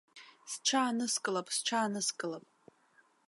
Сҽааныскылап, сҽааныскылап.